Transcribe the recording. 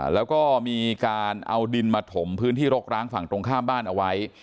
แล้วก็มีการเอาดินมาถมพื้นที่รกร้างฝั่งตรงข้ามบ้านเอาไว้